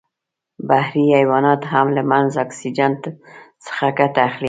بحري حیوانات هم له منحل اکسیجن څخه ګټه اخلي.